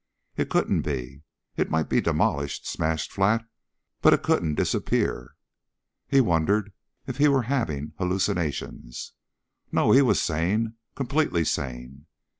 It couldn't be. It might be demolished, smashed flat, but it couldn't disappear. He wondered if he were having hallucinations. No, he was sane ... completely sane.